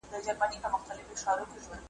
په غرور او په خندا دام ته نیژدې سو `